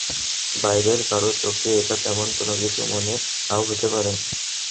বাইরের কারও চোখে এটা তেমন কোনো কিছু মনে না–ও হতে পারে।